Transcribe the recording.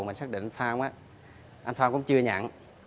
mình xác định anh phong anh phong cũng chưa nhận